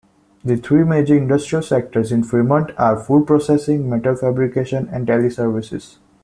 The three major industrial sectors in Fremont are food processing, metal fabrication, and teleservices.